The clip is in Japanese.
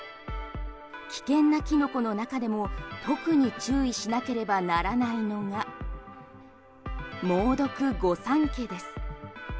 危険なキノコの中でも特に注意しなければならないのが猛毒御三家です。